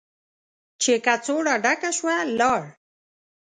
چې کڅوړه ډکه شوه، لاړ.